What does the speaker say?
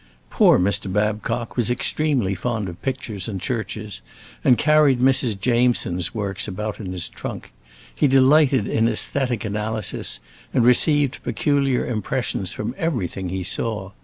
Poor Mr. Babcock was extremely fond of pictures and churches, and carried Mrs. Jameson's works about in his trunk; he delighted in æsthetic analysis, and received peculiar impressions from everything he saw.